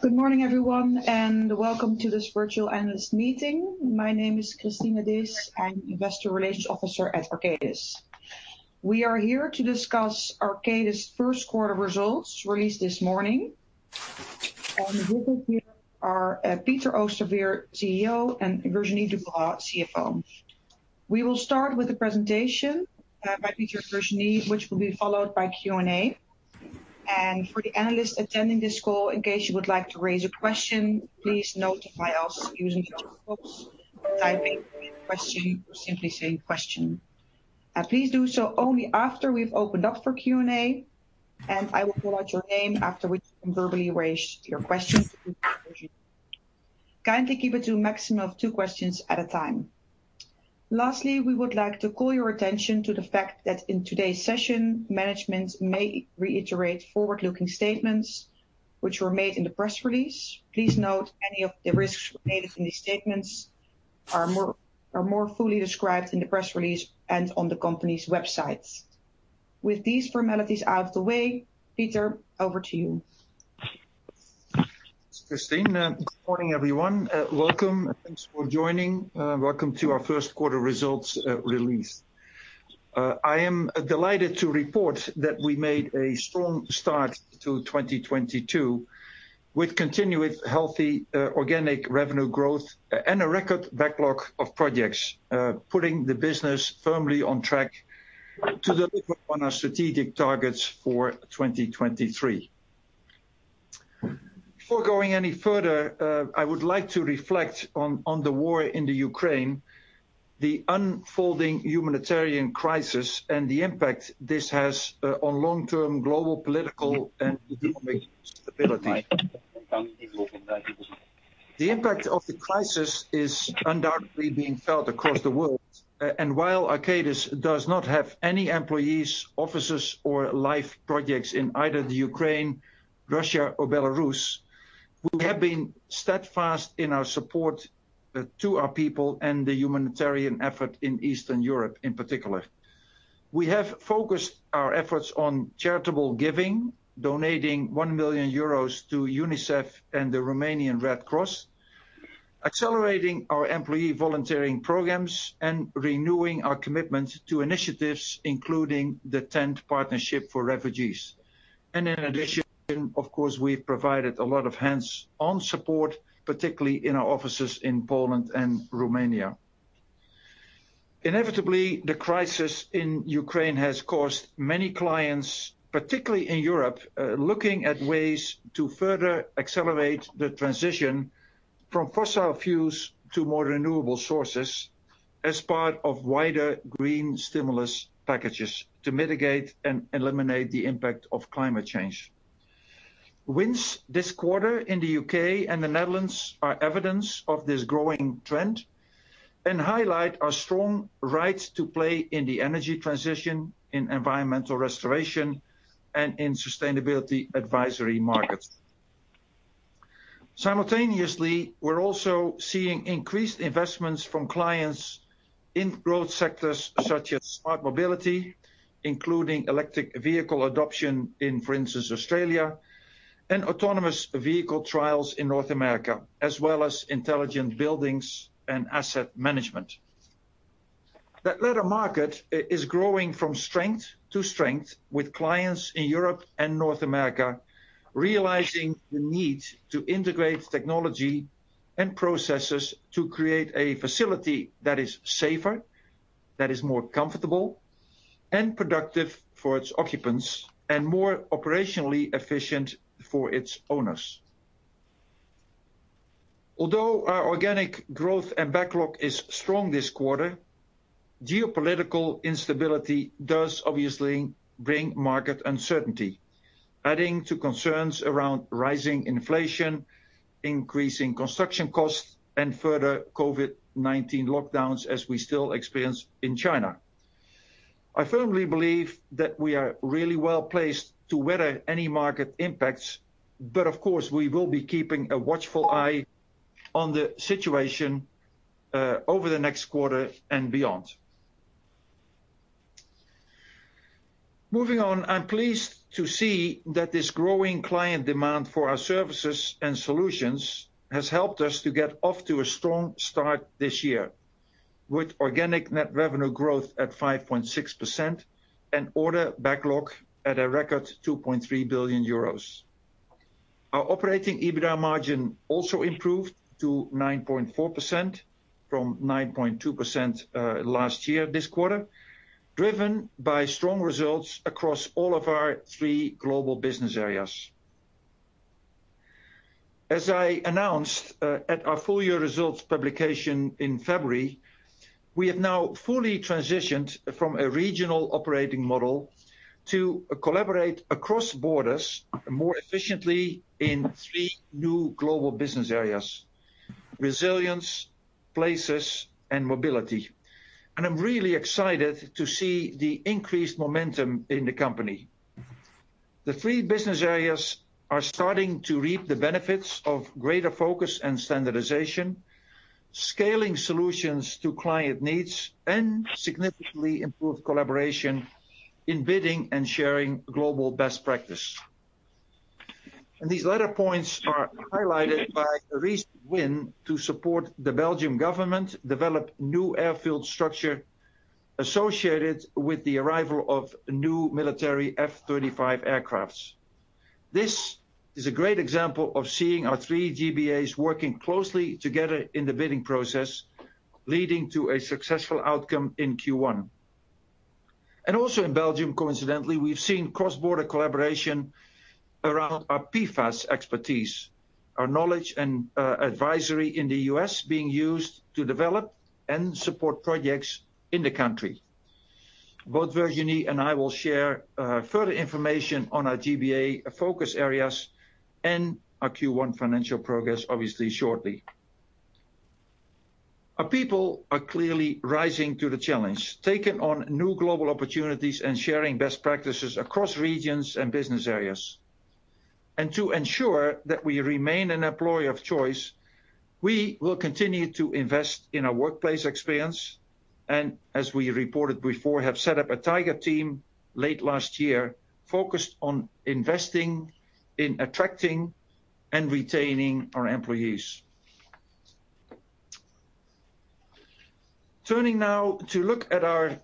Good morning, everyone, and welcome to this virtual analyst meeting. My name is Christine Disch. I'm Investor Relations Officer at Arcadis. We are here to discuss Arcadis first quarter results released this morning. With me here are Peter Oosterveer, CEO, and Virginie Dupérat-Vergne, CFO. We will start with a presentation by Peter and Virginie, which will be followed by Q&A. For the analysts attending this call, in case you would like to raise a question, please notify us using your controls, typing question or simply saying question. Please do so only after we've opened up for Q&A, and I will call out your name after which you can verbally raise your question to Virginie. Kindly keep it to a maximum of two questions at a time. Lastly, we would like to call your attention to the fact that in today's session, management may reiterate forward-looking statements which were made in the press release. Please note any of the risks made in these statements are more fully described in the press release and on the company's websites. With these formalities out of the way, Peter, over to you. Christine, good morning, everyone. Welcome, and thanks for joining. Welcome to our first quarter results release. I am delighted to report that we made a strong start to 2022 with continuous healthy, organic revenue growth and a record backlog of projects, putting the business firmly on track to deliver on our strategic targets for 2023. Before going any further, I would like to reflect on the war in Ukraine, the unfolding humanitarian crisis, and the impact this has on long-term global political and economic stability. The impact of the crisis is undoubtedly being felt across the world. While Arcadis does not have any employees, officers, or live projects in either Ukraine, Russia, or Belarus, we have been steadfast in our support to our people and the humanitarian effort in Eastern Europe in particular. We have focused our efforts on charitable giving, donating 1 million euros to UNICEF and the Romanian Red Cross, accelerating our employee volunteering programs, and renewing our commitment to initiatives including the Tent Partnership for Refugees. In addition, of course, we've provided a lot of hands-on support, particularly in our offices in Poland and Romania. Inevitably, the crisis in Ukraine has caused many clients, particularly in Europe, looking at ways to further accelerate the transition from fossil fuels to more renewable sources as part of wider green stimulus packages to mitigate and eliminate the impact of climate change. Wins this quarter in the U.K. and the Netherlands are evidence of this growing trend and highlight our strong rights to play in the energy transition, in environmental restoration, and in sustainability advisory markets. Simultaneously, we're also seeing increased investments from clients in growth sectors such as smart mobility, including electric vehicle adoption in, for instance, Australia and autonomous vehicle trials in North America, as well as intelligent buildings and asset management. That latter market is growing from strength to strength with clients in Europe and North America realizing the need to integrate technology and processes to create a facility that is safer, that is more comfortable and productive for its occupants and more operationally efficient for its owners. Although our organic growth and backlog is strong this quarter, geopolitical instability does obviously bring market uncertainty, adding to concerns around rising inflation, increasing construction costs, and further COVID-19 lockdowns as we still experience in China. I firmly believe that we are really well placed to weather any market impacts, but of course, we will be keeping a watchful eye on the situation over the next quarter and beyond. Moving on, I'm pleased to see that this growing client demand for our services and solutions has helped us to get off to a strong start this year with organic net revenue growth at 5.6% and order backlog at a record 2.3 billion euros. Our operating EBITA margin also improved to 9.4% from 9.2% last year this quarter, driven by strong results across all of our three global business areas. As I announced at our full year results publication in February, we have now fully transitioned from a regional operating model to collaborate across borders more efficiently in three new global business areas: Resilience, Places, and Mobility. I'm really excited to see the increased momentum in the company. The three business areas are starting to reap the benefits of greater focus and standardization, scaling solutions to client needs, and significantly improved collaboration in bidding and sharing global best practice. These latter points are highlighted by a recent win to support the Belgian government develop new airfield structure associated with the arrival of new military F-35 aircraft. This is a great example of seeing our three GBAs working closely together in the bidding process, leading to a successful outcome in Q1. Also in Belgium, coincidentally, we've seen cross-border collaboration around our PFAS expertise, our knowledge and advisory in the US being used to develop and support projects in the country. Both Virginie and I will share further information on our GBA focus areas and our Q1 financial progress, obviously shortly. Our people are clearly rising to the challenge, taking on new global opportunities and sharing best practices across regions and business areas. To ensure that we remain an employer of choice, we will continue to invest in our workplace experience, and as we reported before, have set up a tiger team late last year focused on investing in attracting and retaining our employees. Turning now to look at our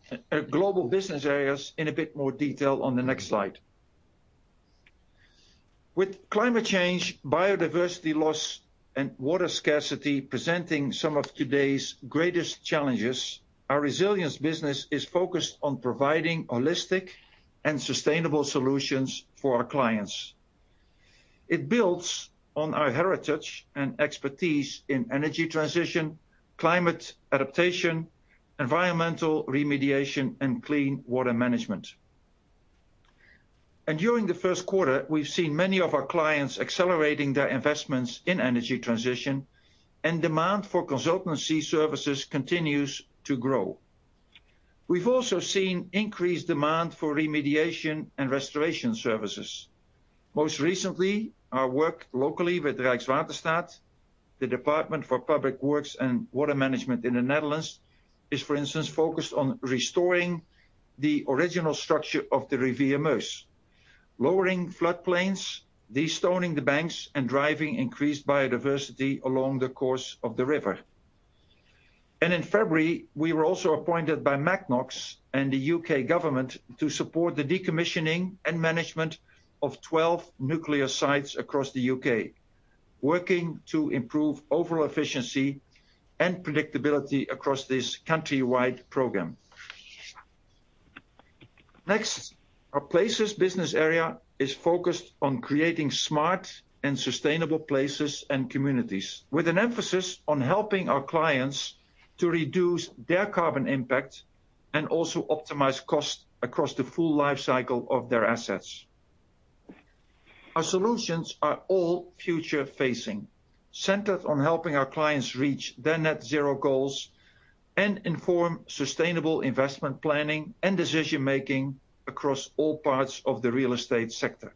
global business areas in a bit more detail on the next slide. With climate change, biodiversity loss, and water scarcity presenting some of today's greatest challenges, our Resilience business is focused on providing holistic and sustainable solutions for our clients. It builds on our heritage and expertise in energy transition, climate adaptation, environmental remediation, and clean water management. During the first quarter, we've seen many of our clients accelerating their investments in energy transition, and demand for consultancy services continues to grow. We've also seen increased demand for remediation and restoration services. Most recently, our work locally with Rijkswaterstaat, the Department for Public Works and Water Management in the Netherlands is, for instance, focused on restoring the original structure of the River Meuse, lowering floodplains, destoning the banks, and driving increased biodiversity along the course of the river. In February, we were also appointed by Magnox and the U.K. government to support the decommissioning and management of 12 nuclear sites across the U.K., working to improve overall efficiency and predictability across this country-wide program. Next, our Places business area is focused on creating smart and sustainable places and communities with an emphasis on helping our clients to reduce their carbon impact and also optimize cost across the full life cycle of their assets. Our solutions are all future-facing, centered on helping our clients reach their net zero goals and inform sustainable investment planning and decision-making across all parts of the real estate sector.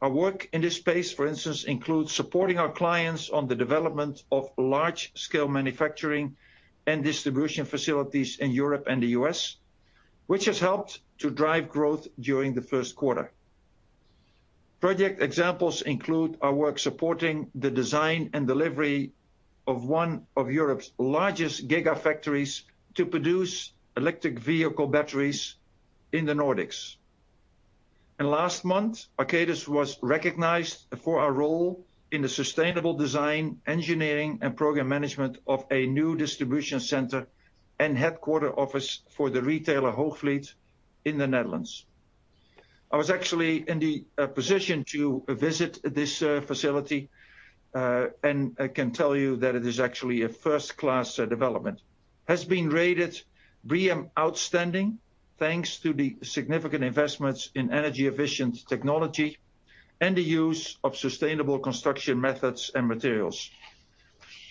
Our work in this space, for instance, includes supporting our clients on the development of large-scale manufacturing and distribution facilities in Europe and the U.S., which has helped to drive growth during the first quarter. Project examples include our work supporting the design and delivery of one of Europe's largest gigafactories to produce electric vehicle batteries in the Nordics. Last month, Arcadis was recognized for our role in the sustainable design, engineering, and program management of a new distribution center and headquarters office for the retailer Hoogvliet in the Netherlands. I was actually in the position to visit this facility, and I can tell you that it is actually a first-class development. Has been rated BREEAM Outstanding thanks to the significant investments in energy efficient technology and the use of sustainable construction methods and materials.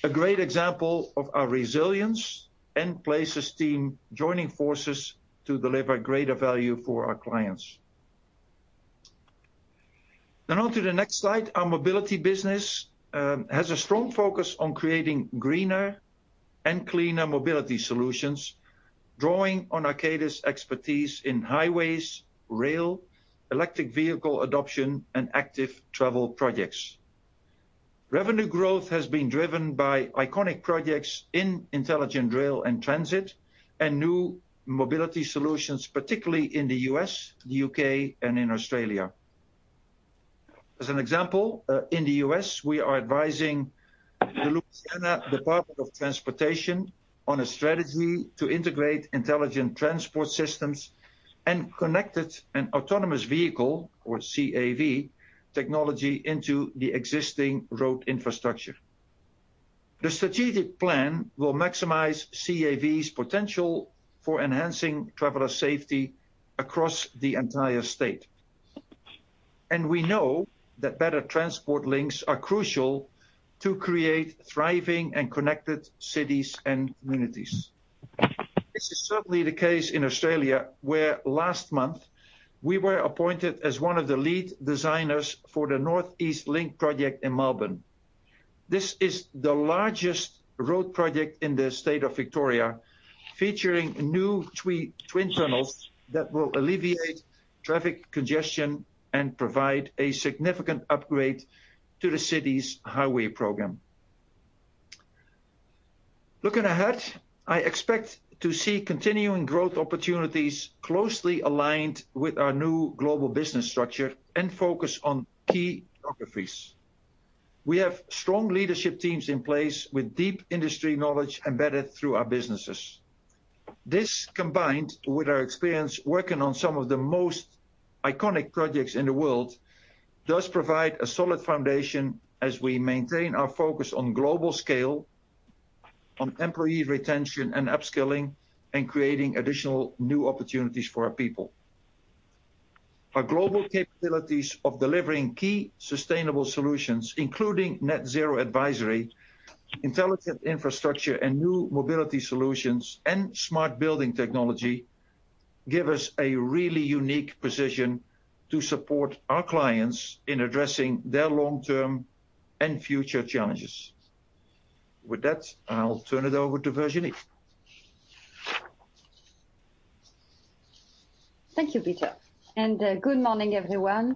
A great example of our Resilience and Places team joining forces to deliver greater value for our clients. On to the next slide. Our Mobility business has a strong focus on creating greener and cleaner mobility solutions, drawing on Arcadis' expertise in highways, rail, electric vehicle adoption, and active travel projects. Revenue growth has been driven by iconic projects in intelligent rail and transit and new mobility solutions, particularly in the U.S., the U.K., and in Australia. As an example, in the U.S., we are advising the Louisiana Department of Transportation on a strategy to integrate intelligent transport systems and connected and autonomous vehicle, or CAV, technology into the existing road infrastructure. The strategic plan will maximize CAV's potential for enhancing traveler safety across the entire state. We know that better transport links are crucial to create thriving and connected cities and communities. This is certainly the case in Australia, where last month we were appointed as one of the lead designers for the North East Link project in Melbourne. This is the largest road project in the State of Victoria, featuring new twin tunnels that will alleviate traffic congestion and provide a significant upgrade to the city's highway program. Looking ahead, I expect to see continuing growth opportunities closely aligned with our new global business structure and focus on key geographies. We have strong leadership teams in place with deep industry knowledge embedded through our businesses. This, combined with our experience working on some of the most iconic projects in the world, does provide a solid foundation as we maintain our focus on global scale, on employee retention and upskilling, and creating additional new opportunities for our people. Our global capabilities of delivering key sustainable solutions, including net zero advisory, intelligent infrastructure, and new mobility solutions, and smart building technology, give us a really unique position to support our clients in addressing their long-term and future challenges. With that, I'll turn it over to Virginie. Thank you, Peter. Good morning, everyone.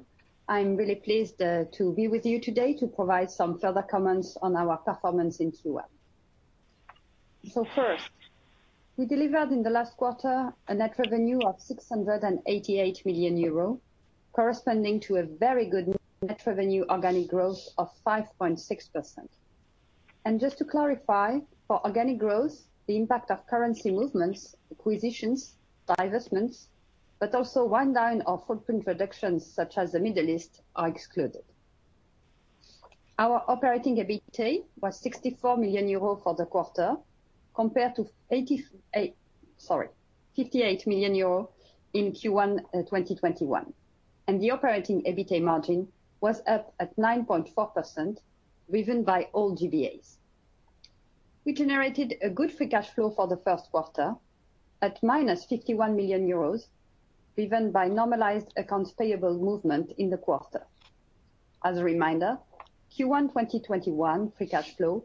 I'm really pleased to be with you today to provide some further comments on our performance in Q1. First, we delivered in the last quarter a net revenue of 688 million euro, corresponding to a very good net revenue organic growth of 5.6%. Just to clarify, for organic growth, the impact of currency movements, acquisitions, divestments, but also one line of footprint reductions such as the Middle East, are excluded. Our operating EBITA was 64 million euro for the quarter compared to 58 million euro in Q1 2021, and the operating EBITA margin was up at 9.4% driven by all GBAs. We generated a good free cash flow for the first quarter at -51 million euros, driven by normalized accounts payable movement in the quarter. As a reminder, Q1 2021 free cash flow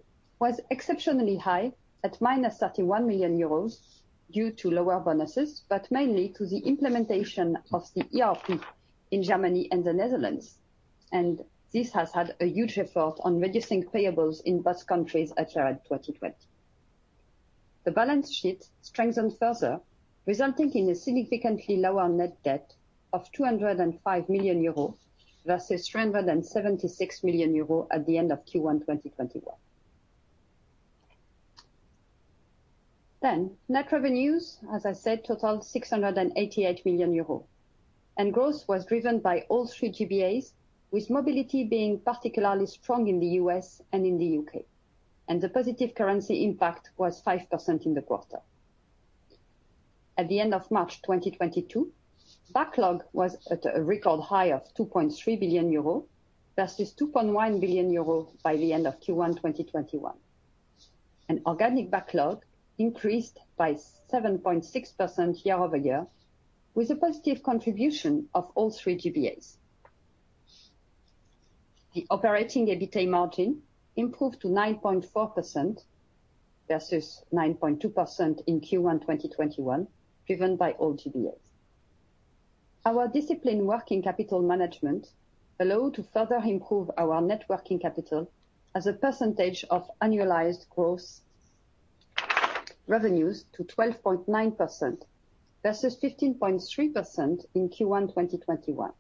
was exceptionally high at -31 million euros due to lower bonuses, but mainly to the implementation of the ERP in Germany and the Netherlands. This has had a huge effect on reducing payables in both countries at year-end 2020. The balance sheet strengthened further, resulting in a significantly lower net debt of 205 million euro versus 376 million euro at the end of Q1 2021. Net revenues, as I said, totaled 688 million euros. Growth was driven by all three GBAs, with Mobility being particularly strong in the U.S. and in the U.K. The positive currency impact was 5% in the quarter. At the end of March 2022, backlog was at a record high of 2.3 billion euro versus 2.1 billion euro by the end of Q1 2021. Organic backlog increased by 7.6% year-over-year with a positive contribution of all three GBAs. The operating EBITA margin improved to 9.4% versus 9.2% in Q1 2021, driven by all GBAs. Our disciplined working capital management allowed to further improve our net working capital as a percentage of annualized gross revenues to 12.9% versus 15.3% in Q1 2021.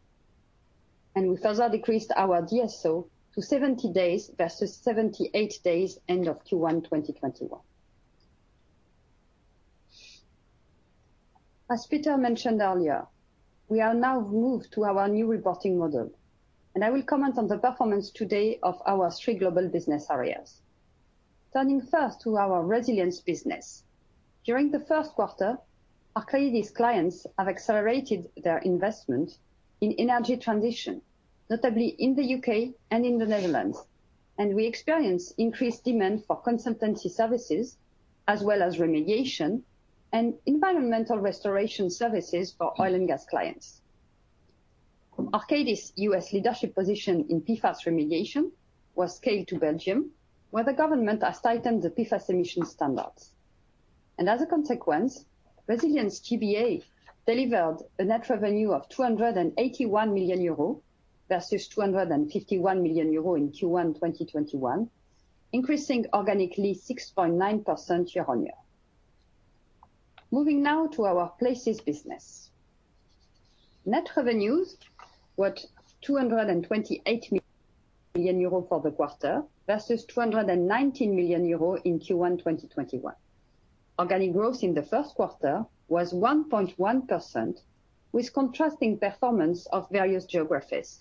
We further decreased our DSO to 70 days versus 78 days end of Q1 2021. As Peter mentioned earlier, we are now moved to our new reporting model, and I will comment on the performance today of our three global business areas. Turning first to our Resilience business. During the first quarter, Arcadis clients have accelerated their investment in energy transition, notably in the U.K. and in the Netherlands. We experienced increased demand for consultancy services as well as remediation and environmental restoration services for oil and gas clients. Arcadis' U.S. leadership position in PFAS remediation was scaled to Belgium, where the government has tightened the PFAS emission standards. As a consequence, Resilience GBA delivered a net revenue of 281 million euros versus 251 million euros in Q1 2021, increasing organically 6.9% year-on-year. Moving now to our Places business. Net revenues were 228 million euro for the quarter versus 219 million euro in Q1 2021. Organic growth in the first quarter was 1.1%, with contrasting performance of various geographies.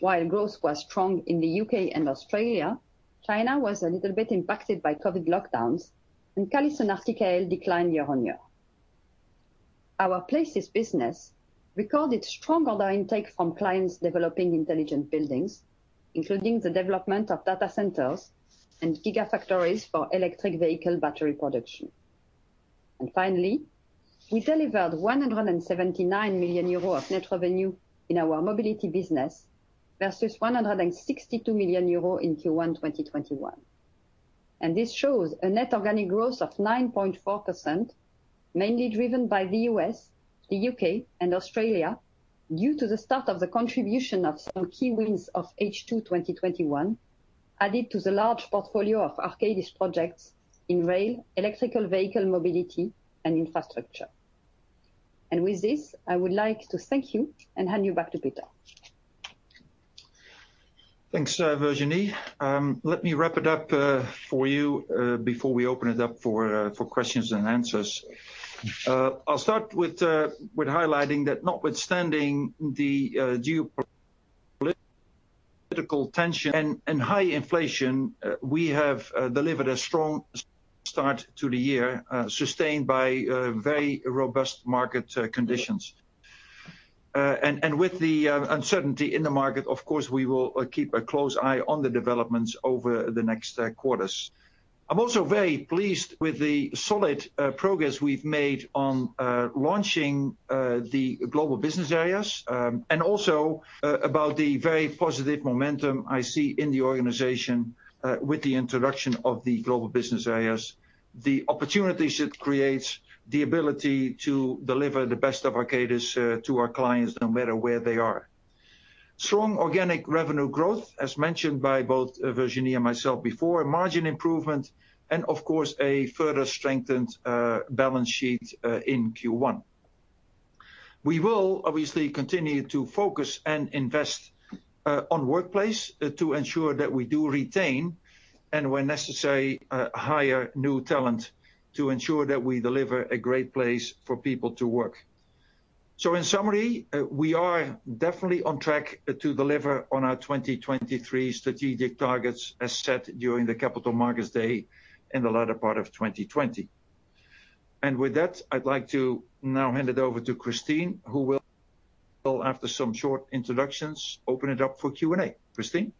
While growth was strong in the U.K. and Australia, China was a little bit impacted by COVID lockdowns, and CallisonRTKL declined year on year. Our Places business recorded strong order intake from clients developing intelligent buildings, including the development of data centers and gigafactories for electric vehicle battery production. Finally, we delivered 179 million euros of net revenue in our Mobility business versus 162 million euros in Q1 2021. This shows a net organic growth of 9.4%, mainly driven by the U.S., the U.K. and Australia due to the start of the contribution of some key wins of H2 2021, added to the large portfolio of Arcadis projects in rail, electric vehicle mobility and infrastructure. With this, I would like to thank you and hand you back to Peter. Thanks, Virginie. Let me wrap it up for you before we open it up for questions and answers. I'll start with highlighting that notwithstanding the geopolitical tension and high inflation, we have delivered a strong start to the year, sustained by very robust market conditions. With the uncertainty in the market, of course, we will keep a close eye on the developments over the next quarters. I'm also very pleased with the solid progress we've made on launching the global business areas, and also about the very positive momentum I see in the organization with the introduction of the global business areas, the opportunities it creates, the ability to deliver the best of Arcadis to our clients no matter where they are. Strong organic revenue growth, as mentioned by both, Virginie and myself before, margin improvement, and of course, a further strengthened balance sheet in Q1. We will obviously continue to focus and invest on workplace to ensure that we do retain and when necessary hire new talent to ensure that we deliver a great place for people to work. In summary, we are definitely on track to deliver on our 2023 strategic targets as set during the Capital Markets Day in the latter part of 2020. With that, I'd like to now hand it over to Christine, who will, after some short introductions, open it up for Q&A. Christine.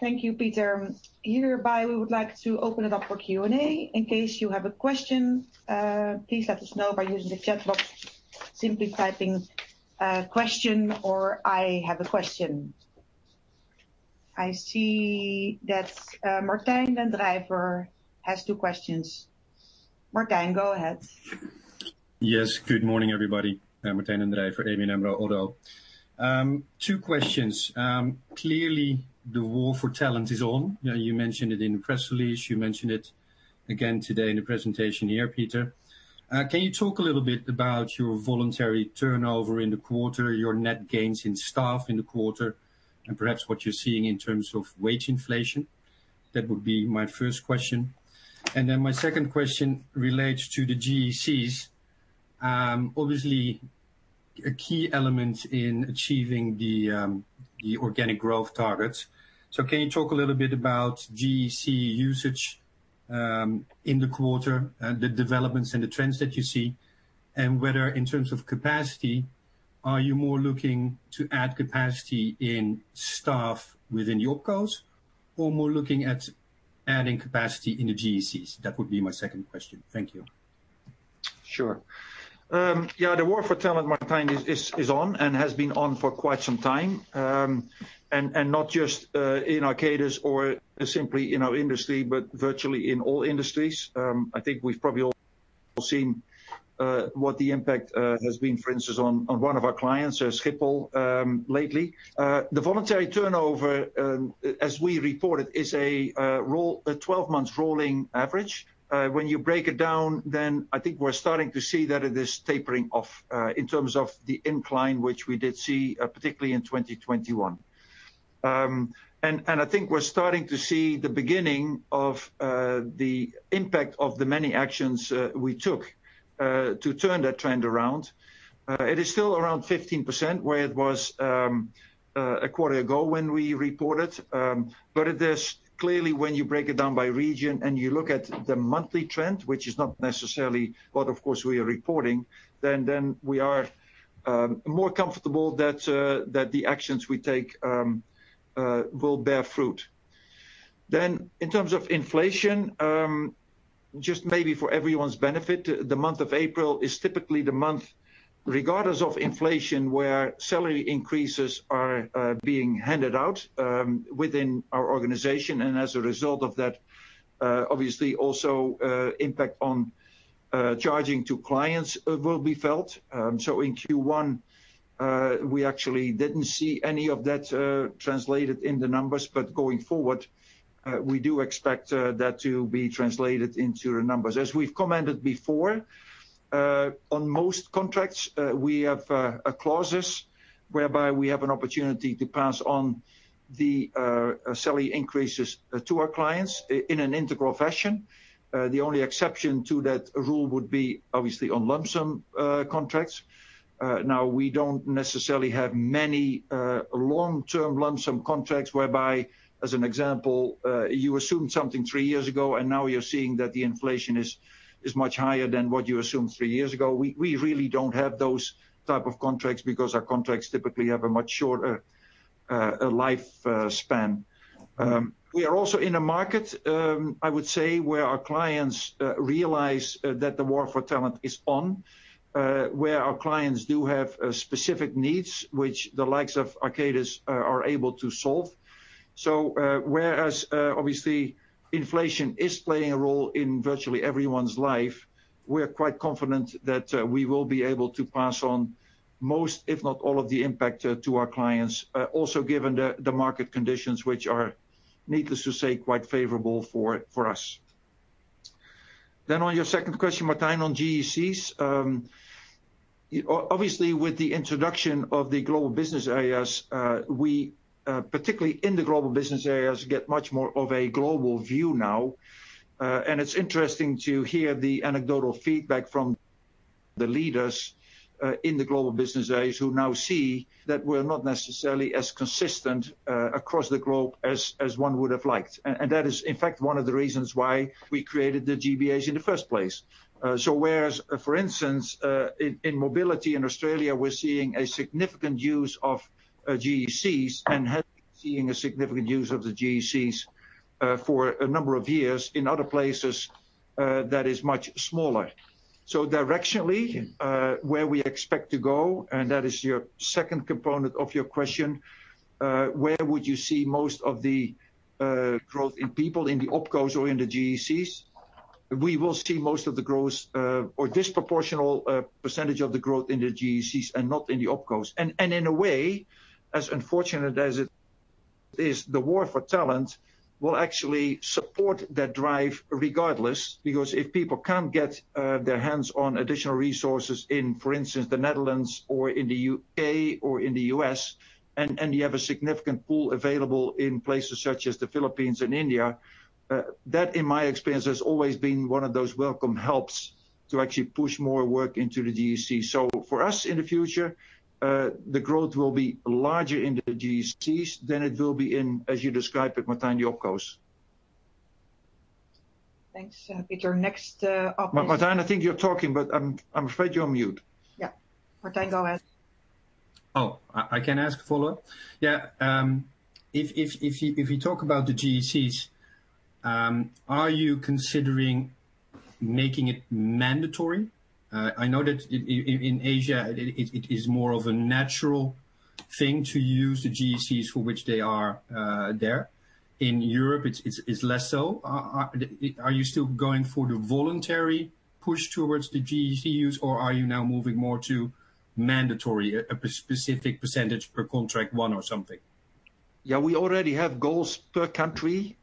Thank you, Peter. Hereby, we would like to open it up for Q&A. In case you have a question, please let us know by using the chat box, simply typing question or I have a question. I see that Martijn den Drijver has two questions. Martijn, go ahead. Yes. Good morning, everybody. Martijn den Drijver, ABN AMRO. Two questions. Clearly, the war for talent is on. You know, you mentioned it in the press release. You mentioned it again today in the presentation here, Peter. Can you talk a little bit about your voluntary turnover in the quarter, your net gains in staff in the quarter, and perhaps what you're seeing in terms of wage inflation? That would be my first question. My second question relates to the GECs. Obviously a key element in achieving the organic growth targets. Can you talk a little bit about GEC usage in the quarter, the developments and the trends that you see, and whether in terms of capacity, are you more looking to add capacity in staff within your costs or more looking at adding capacity in the GECs? That would be my second question. Thank you. Sure. Yeah, the war for talent, Martijn, is on and has been on for quite some time. Not just in Arcadis or simply in our industry, but virtually in all industries. I think we've probably all seen what the impact has been, for instance, on one of our clients, at Schiphol, lately. The voluntary turnover, as we reported, is a 12-month rolling average. When you break it down, then I think we're starting to see that it is tapering off in terms of the incline, which we did see, particularly in 2021. I think we're starting to see the beginning of the impact of the many actions we took to turn that trend around. It is still around 15% where it was a quarter ago when we reported. It is clearly when you break it down by region and you look at the monthly trend, which is not necessarily what of course we are reporting, we are more comfortable that the actions we take will bear fruit. In terms of inflation, just maybe for everyone's benefit, the month of April is typically the month, regardless of inflation, where salary increases are being handed out within our organization. As a result of that, obviously also impact on charging to clients will be felt. In Q1, we actually didn't see any of that translated in the numbers. Going forward, we do expect that to be translated into the numbers. As we've commented before, on most contracts, we have clauses whereby we have an opportunity to pass on the salary increases to our clients in an integral fashion. The only exception to that rule would be obviously on lump sum contracts. Now we don't necessarily have many long-term lump sum contracts whereby, as an example, you assumed something three years ago, and now you're seeing that the inflation is much higher than what you assumed three years ago. We really don't have those type of contracts because our contracts typically have a much shorter lifespan. We are also in a market, I would say, where our clients realize that the war for talent is on, where our clients do have specific needs which the likes of Arcadis are able to solve. Whereas obviously inflation is playing a role in virtually everyone's life, we are quite confident that we will be able to pass on most, if not all, of the impact to our clients. Also given the market conditions which are, needless to say, quite favorable for us. On your second question, Martijn, on GECs, obviously with the introduction of the global business areas, we, particularly in the global business areas, get much more of a global view now. It's interesting to hear the anecdotal feedback from the leaders in the global business areas who now see that we're not necessarily as consistent across the globe as one would have liked. That is in fact one of the reasons why we created the GBAs in the first place. Whereas for instance in Mobility in Australia, we're seeing a significant use of GECs, and have been seeing a significant use of the GECs for a number of years. In other places, that is much smaller. Directionally, where we expect to go, and that is your second component of your question, where would you see most of the growth in people, in the OpCo or in the GECs? We will see most of the growth, or disproportionate percentage of the growth in the GECs and not in the OpCos. In a way, as unfortunate as it is, the war for talent will actually support that drive regardless. Because if people can't get their hands on additional resources in, for instance, the Netherlands or in the U.K. or in the U.S., and you have a significant pool available in places such as the Philippines and India, that, in my experience, has always been one of those welcome helps to actually push more work into the GEC. For us in the future, the growth will be larger in the GECs than it will be in, as you described it, Martijn, the OpCos. Thanks, Peter. Next up is- Martijn, I think you're talking, but I'm afraid you're on mute. Yeah. Martijn, go ahead. Oh, I can ask a follow-up? Yeah, if you talk about the GECs, are you considering making it mandatory? I know that in Asia it is more of a natural thing to use the GECs for which they are there. In Europe, it's less so. Are you still going for the voluntary push towards the GEC use or are you now moving more to mandatory, a specific percentage per contract, one or something? Yeah. We already have goals per country,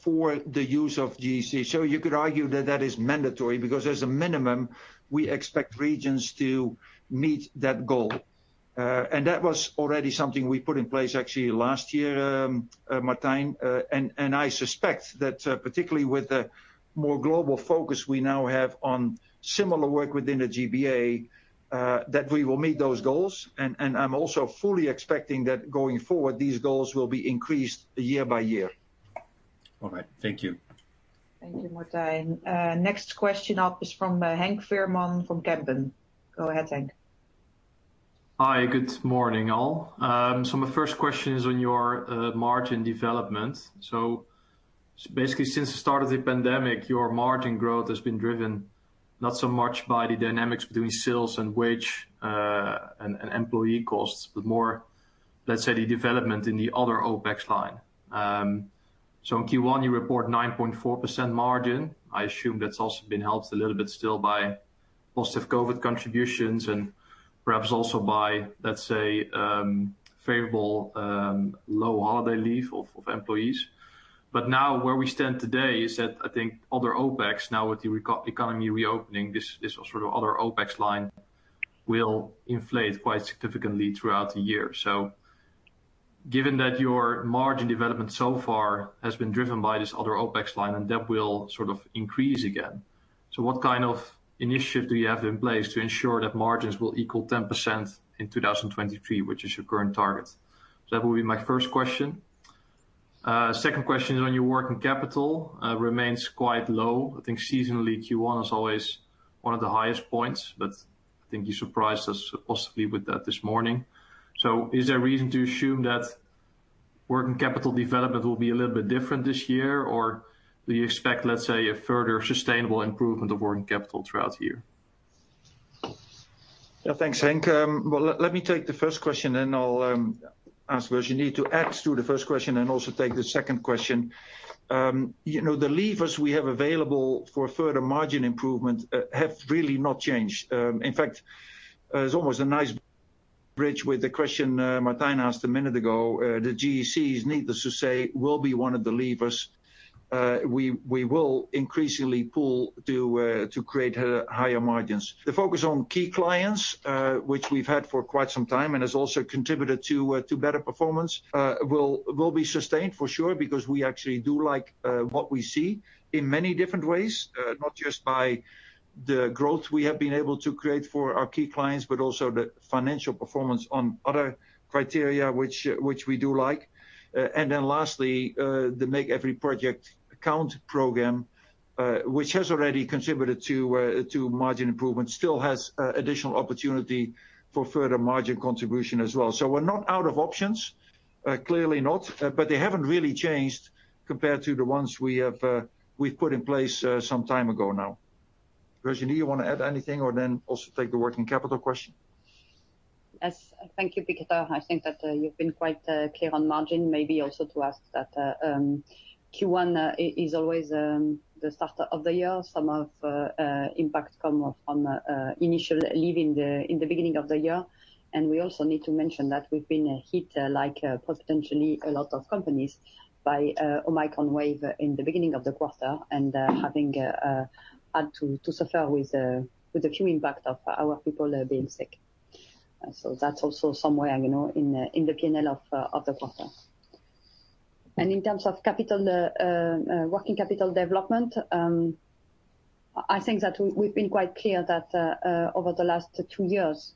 for the use of GEC. You could argue that that is mandatory because as a minimum, we expect regions to meet that goal. That was already something we put in place actually last year, Martijn. I suspect that, particularly with the more global focus we now have on similar work within the GBA, that we will meet those goals. I'm also fully expecting that going forward, these goals will be increased year by year. All right. Thank you. Thank you, Martijn. Next question up is from Henk Veerman from Kempen. Go ahead, Henk. Hi, good morning, all. My first question is on your margin development. Basically since the start of the pandemic, your margin growth has been driven not so much by the dynamics between sales and wage and employee costs, but more, let's say, the development in the other OpEx line. In Q1, you report 9.4% margin. I assume that's also been helped a little bit still by positive COVID contributions and perhaps also by, let's say, favorable low holiday leave of employees. Now where we stand today is that I think other OpEx now with the economy reopening this sort of other OpEx line will inflate quite significantly throughout the year. Given that your margin development so far has been driven by this other OpEx line, and that will sort of increase again. What kind of initiative do you have in place to ensure that margins will equal 10% in 2023, which is your current target? That will be my first question. Second question is on your working capital, remains quite low. I think seasonally Q1 is always one of the highest points, but I think you surprised us possibly with that this morning. Is there a reason to assume that working capital development will be a little bit different this year? Or do you expect, let's say, a further sustainable improvement of working capital throughout the year? Yeah, thanks, Henk. Well, let me take the first question then I'll ask Virginie to add to the first question and also take the second question. You know, the levers we have available for further margin improvement have really not changed. In fact, it's almost a nice bridge with the question Martijn asked a minute ago. The GECs, needless to say, will be one of the levers we will increasingly pull to create higher margins. The focus on key clients, which we've had for quite some time and has also contributed to better performance, will be sustained for sure, because we actually do like what we see in many different ways. Not just by the growth we have been able to create for our key clients, but also the financial performance on other criteria which we do like. Lastly, the Make Every Project Count program, which has already contributed to margin improvement, still has additional opportunity for further margin contribution as well. We're not out of options, clearly not, but they haven't really changed compared to the ones we've put in place some time ago now. Virginie, you want to add anything or then also take the working capital question? Yes. Thank you, Peter. I think that you've been quite clear on margin. Maybe also to ask that Q1 is always the start of the year. Some of the impact comes initially in the beginning of the year. We also need to mention that we've been hit, like, potentially a lot of companies by the Omicron wave in the beginning of the quarter and having had to suffer with the human impact of our people being sick. That's also somewhere, you know, in the P&L of the quarter. In terms of capital, the working capital development, I think that we've been quite clear that over the last two years,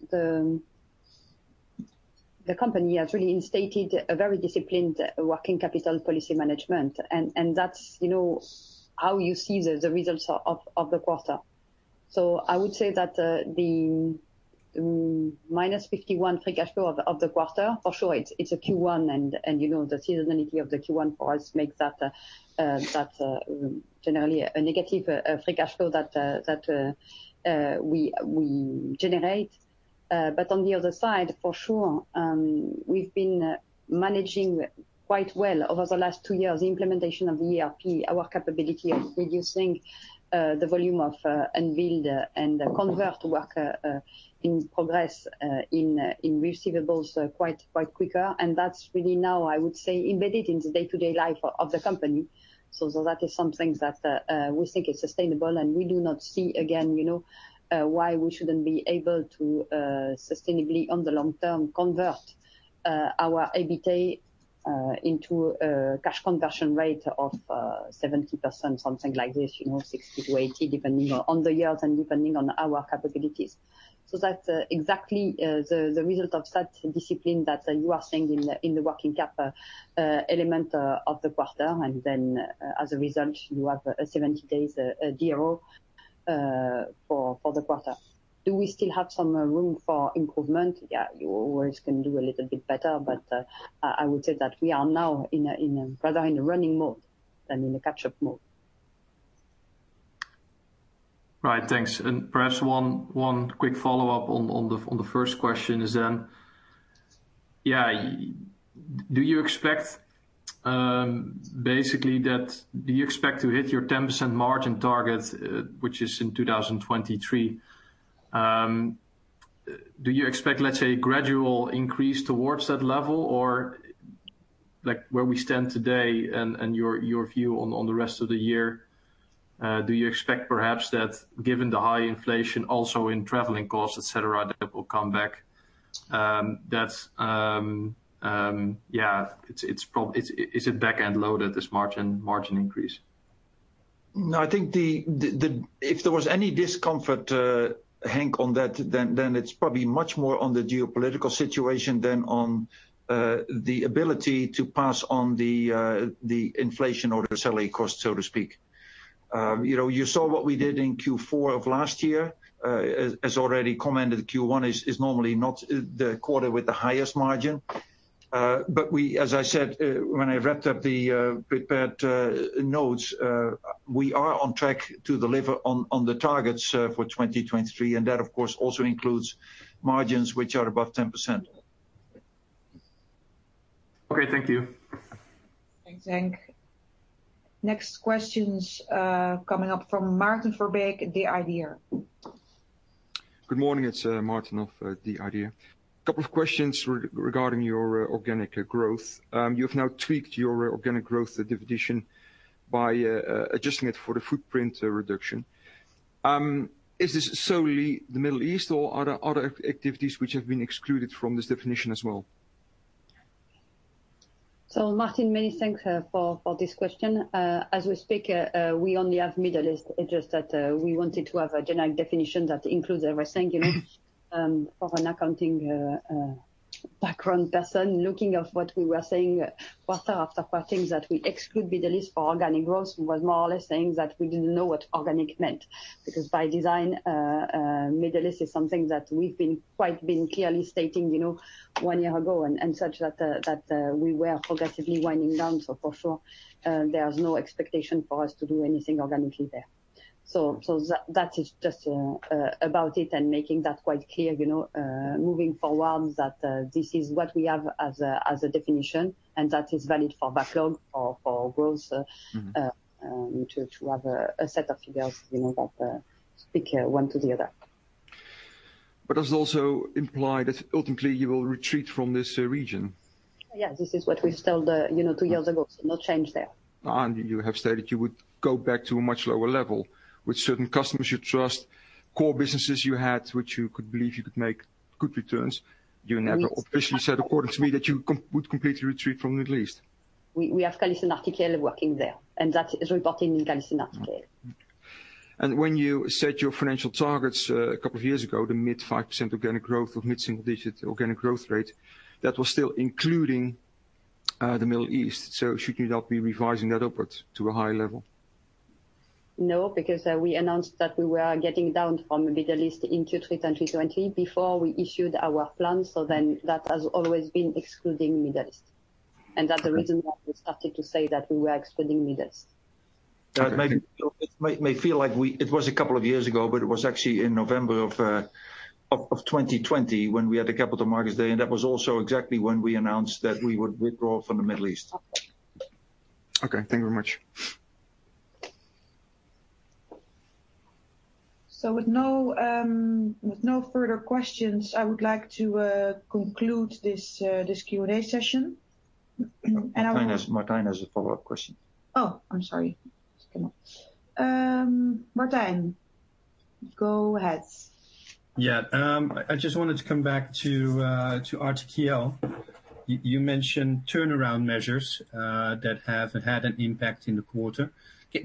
the company has really instituted a very disciplined working capital policy management. That's, you know, how you see the results of the quarter. I would say that the -51 free cash flow of the quarter, for sure, it's a Q1 and, you know, the seasonality of the Q1 for us makes that generally a negative free cash flow that we generate. On the other side, for sure, we've been managing quite well over the last two years the implementation of the ERP, our capability of reducing the volume of unbilled and contract work in progress in receivables quite quicker. That's really now, I would say, embedded in the day-to-day life of the company. That is something that we think is sustainable, and we do not see again, you know, why we shouldn't be able to sustainably on the long term convert our EBITA into a cash conversion rate of 70%, something like this, you know, 60%-80%, depending on the years and depending on our capabilities. That's exactly the result of that discipline that you are seeing in the working cap element of the quarter. As a result, you have 70 days DSO for the quarter. Do we still have some room for improvement? Yeah, you always can do a little bit better. I would say that we are now in a running mode rather than in a catch-up mode. Right. Thanks. Perhaps one quick follow up on the first question is then, yeah, do you expect basically that do you expect to hit your 10% margin target, which is in 2023? Do you expect, let's say, gradual increase towards that level? Or like where we stand today and your view on the rest of the year, do you expect perhaps that given the high inflation also in traveling costs, et cetera, that will come back? That's, yeah, it's Is it back-end loaded, this margin increase? No, I think if there was any discomfort, Henk, on that, then it's probably much more on the geopolitical situation than on the ability to pass on the inflation or the salary cost, so to speak. You know, you saw what we did in Q4 of last year. As already commented, Q1 is normally not the quarter with the highest margin. But as I said, when I wrapped up the prepared notes, we are on track to deliver on the targets for 2023, and that of course also includes margins which are above 10%. Okay. Thank you. Thanks, Henk. Next question's coming up from Maarten Verbeek, the IDEA!. Good morning. It's Maarten of the IDEA!. A couple of questions regarding your organic growth. You've now tweaked your organic growth definition by adjusting it for the footprint reduction. Is this solely the Middle East or are there other activities which have been excluded from this definition as well? Maarten, many thanks for this question. As we speak, we only have Middle East. It's just that we wanted to have a generic definition that includes everything, you know. For an accounting background person looking at what we were saying quarter after quarter that we exclude Middle East for organic growth was more or less saying that we didn't know what organic meant. Because by design, Middle East is something that we've been quite clearly stating, you know, one year ago, such that we were progressively winding down. For sure, there's no expectation for us to do anything organically there. That is just about it and making that quite clear, you know, moving forward that this is what we have as a definition and that is valid for backlog, for growth. Mm-hmm to have a set of figures, you know, that speak one to the other. Does it also imply that ultimately you will retreat from this region? Yeah, this is what we've said, you know, two years ago. No change there. You have stated you would go back to a much lower level with certain customers you trust, core businesses you had, which you could believe you could make good returns. You never officially said according to me that you would completely retreat from Middle East. We have CallisonRTKL working there, and that is reporting in CallisonRTKL. When you set your financial targets a couple of years ago, the mid-single digit organic growth rate, that was still including the Middle East. Should you not be revising that upwards to a higher level? No, because we announced that we were getting down from Middle East in 2020 before we issued our plans. That has always been excluding Middle East. That's the reason why we started to say that we were excluding Middle East. That may feel like it was a couple of years ago, but it was actually in November 2020 when we had the Capital Markets Day, and that was also exactly when we announced that we would withdraw from the Middle East. Okay. Thank you very much. With no further questions, I would like to conclude this Q&A session. I want- Martijn has a follow-up question. Oh, I'm sorry. Martijn, go ahead. Yeah. I just wanted to come back to RTKL. You mentioned turnaround measures that have had an impact in the quarter.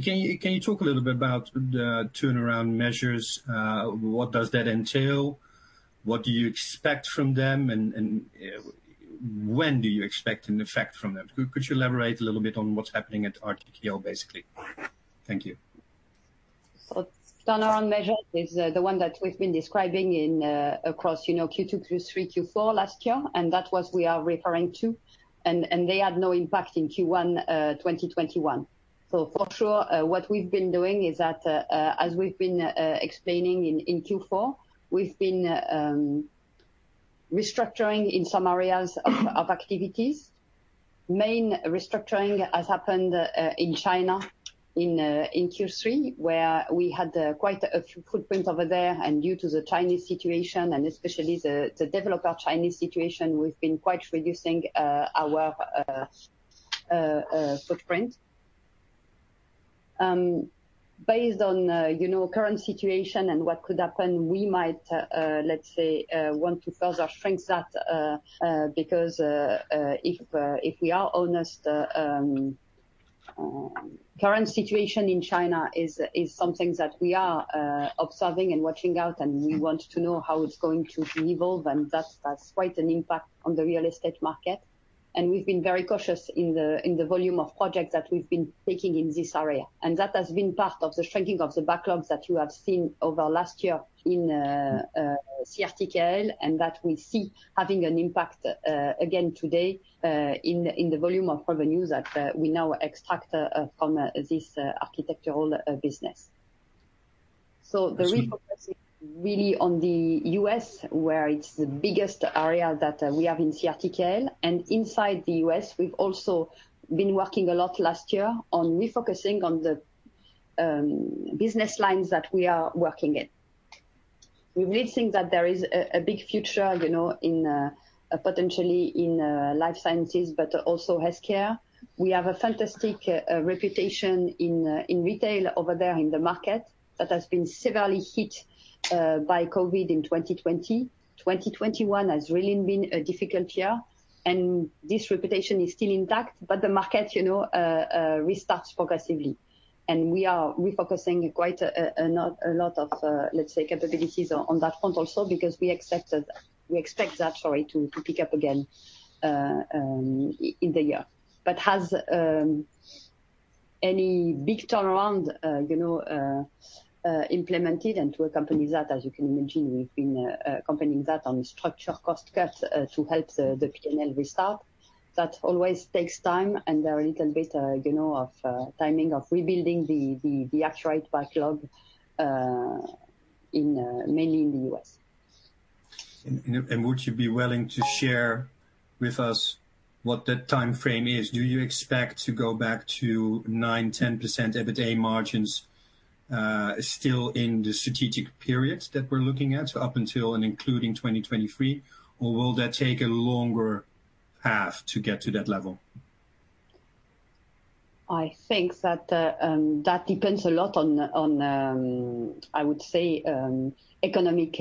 Can you talk a little bit about the turnaround measures? What does that entail? What do you expect from them, and when do you expect an effect from them? Could you elaborate a little bit on what's happening at RTKL, basically? Thank you. Turnaround measure is the one that we've been describing in Arcadis, you know, Q2, Q3, Q4 last year, and that is what we are referring to. They had no impact in Q1 2021. For sure, what we've been doing is that, as we've been explaining in Q4, we've been restructuring in some areas of activities. Main restructuring has happened in China in Q3, where we had quite a footprint over there. Due to the Chinese situation, and especially the developer Chinese situation, we've been quite reducing our footprint. Based on, you know, current situation and what could happen, we might, let's say, want to further shrink that, because, if we are honest, current situation in China is something that we are observing and watching out, and we want to know how it's going to evolve, and that's quite an impact on the real estate market. We've been very cautious in the volume of projects that we've been taking in this area. That has been part of the shrinking of the backlogs that you have seen over last year in CallisonRTKL, and that we see having an impact again today in the volume of revenues that we now extract from this architectural business. The refocus is really on the U.S. where it's the biggest area that we have in CallisonRTKL. Inside the U.S., we've also been working a lot last year on refocusing on the business lines that we are working in. We really think that there is a big future, you know, in potentially in life sciences, but also healthcare. We have a fantastic reputation in retail over there in the market that has been severely hit by COVID in 2020. 2021 has really been a difficult year, and this reputation is still intact. The market, you know, restarts progressively. We are refocusing quite a lot of let's say, capabilities on that front also because we accept that. We expect that to pick up again in the year. Has any big turnaround, you know, been implemented and to accompany that, as you can imagine, we've been implementing structural cost cuts to help the P&L restart. That always takes time, and there's a little bit, you know, of timing of rebuilding the actual backlog mainly in the U.S. Would you be willing to share with us what that timeframe is? Do you expect to go back to 9%-10% EBITA margins still in the strategic periods that we're looking at, so up until and including 2023? Or will that take a longer path to get to that level? I think that depends a lot on, I would say, economic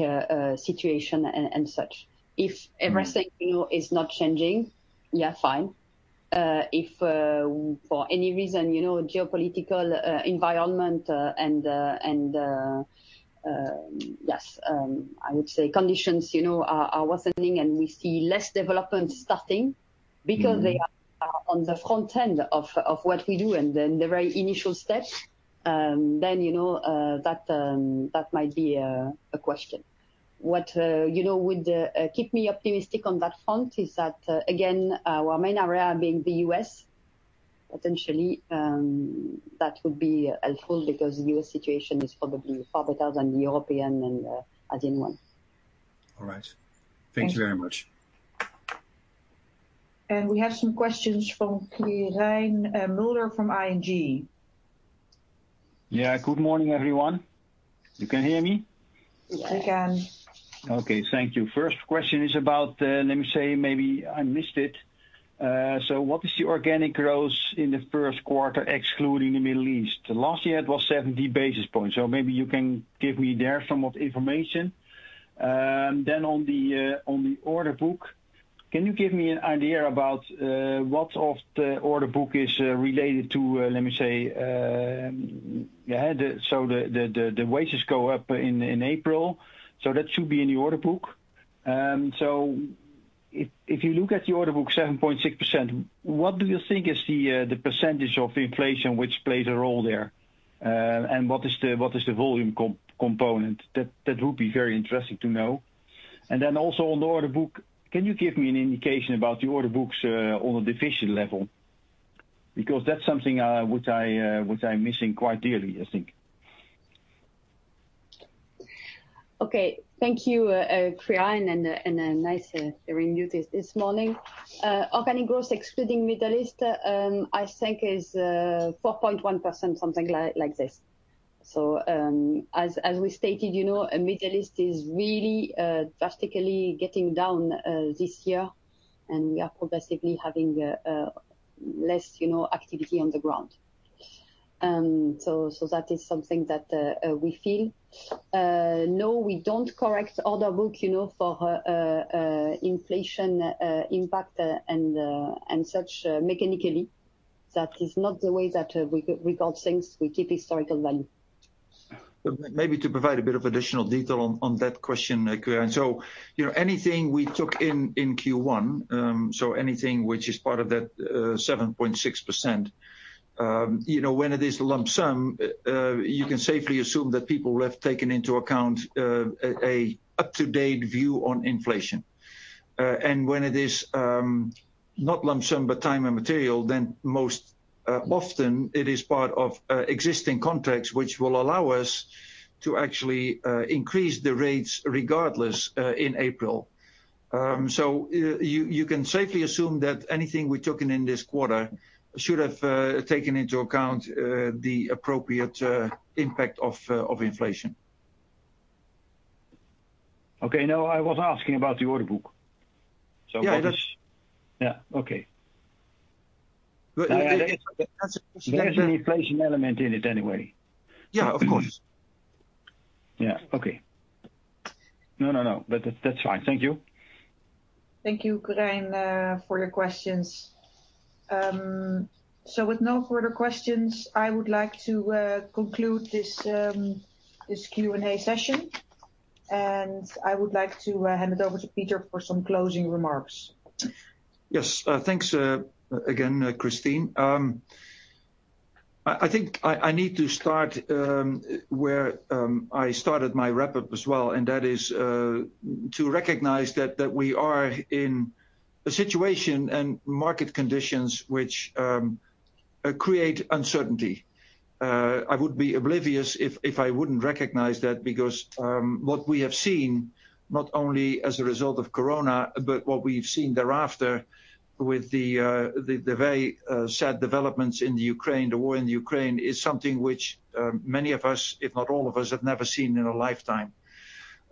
situation and such. If everything, you know, is not changing, yeah, fine. If for any reason, you know, geopolitical environment and yes, I would say conditions, you know, are worsening and we see less development starting because they are on the front end of what we do and then the very initial steps, then you know that might be a question. What you know would keep me optimistic on that front is that again our main area being the US, potentially that would be helpful because U.S. situation is probably far better than European and Asian one. All right. Thank you very much. We have some questions from Quirijn Mulder from ING. Yeah. Good morning, everyone. You can hear me? Yes, we can. Okay. Thank you. First question is about, let me say, maybe I missed it. What is the organic growth in the first quarter, excluding the Middle East? Last year it was 70 basis points, so maybe you can give me there some information. On the order book, can you give me an idea about what of the order book is related to, let me say, yeah, the wages go up in April, so that should be in the order book. If you look at the order book, 7.6%, what do you think is the percentage of inflation which plays a role there? What is the volume component? That would be very interesting to know. on the order book, can you give me an indication about the order books, on a division level? Because that's something which I'm missing quite dearly, I think. Thank you, Quirijn, and a nice review this morning. Organic growth excluding Middle East, I think is 4.1%, something like this. As we stated, you know, Middle East is really drastically going down this year and we are progressively having less, you know, activity on the ground. That is something that we feel. No, we don't correct order book, you know, for inflation impact and such mechanically. That is not the way that we do things. We keep historical value. Maybe to provide a bit of additional detail on that question, Quirijn. You know, anything we took in in Q1, so anything which is part of that 7.6%, you know, when it is lump sum, you can safely assume that people have taken into account an up-to-date view on inflation. When it is not lump sum but time and material, then most often it is part of existing contracts which will allow us to actually increase the rates regardless in April. You can safely assume that anything we've taken in this quarter should have taken into account the appropriate impact of inflation. Okay. No, I was asking about the order book. Yeah, that's. Yeah. Okay. It There's an inflation element in it anyway. Yeah, of course. Yeah. Okay. No, no, but that's fine. Thank you. Thank you, Quirijn, for your questions. With no further questions, I would like to conclude this Q&A session. I would like to hand it over to Peter for some closing remarks. Yes. Thanks again, Christine. I think I need to start where I started my wrap-up as well, and that is to recognize that we are in a situation and market conditions which create uncertainty. I would be oblivious if I wouldn't recognize that because what we have seen, not only as a result of Corona, but what we've seen thereafter with the very sad developments in the Ukraine, the war in the Ukraine, is something which many of us, if not all of us, have never seen in a lifetime.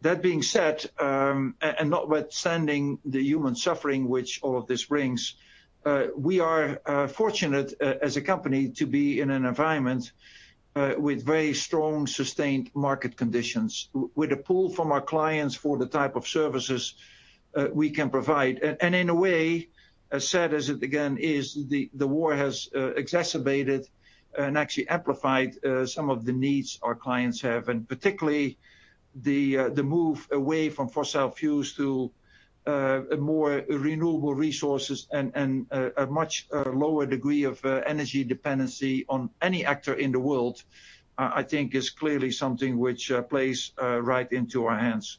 That being said, and notwithstanding the human suffering which all of this brings, we are fortunate as a company to be in an environment with very strong, sustained market conditions. With the pull from our clients for the type of services we can provide. In a way, as sad as it again is, the war has exacerbated and actually amplified some of the needs our clients have, and particularly the move away from fossil fuels to a more renewable resources and a much lower degree of energy dependency on any actor in the world, I think is clearly something which plays right into our hands.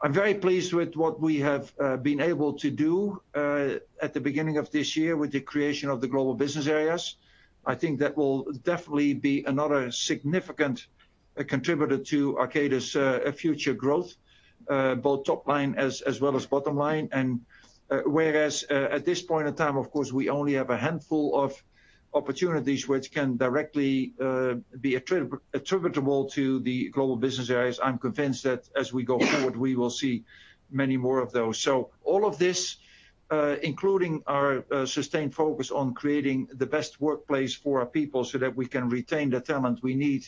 I'm very pleased with what we have been able to do at the beginning of this year with the creation of the global business areas. I think that will definitely be another significant contributor to Arcadis' future growth, both top line as well as bottom line. Whereas at this point in time, of course, we only have a handful of opportunities which can directly be attributable to the global business areas. I'm convinced that as we go forward, we will see many more of those. All of this, including our sustained focus on creating the best workplace for our people so that we can retain the talent we need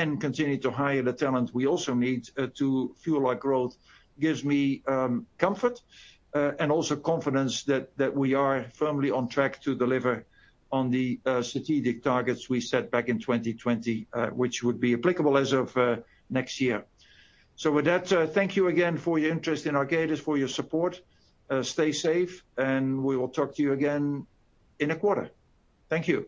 and continue to hire the talent we also need to fuel our growth, gives me comfort and also confidence that we are firmly on track to deliver on the strategic targets we set back in 2020, which would be applicable as of next year. With that, thank you again for your interest in Arcadis, for your support. Stay safe, and we will talk to you again in a quarter. Thank you.